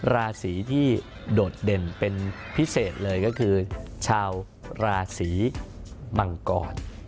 ราศีที่โดดเด่นเป็นพิเศษเลยก็คือชาวราศีมังกร